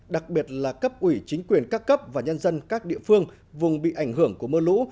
đặc biệt là cấp ủy chính quyền các cấp và nhân dân các địa phương vùng bị ảnh hưởng của mưa lũ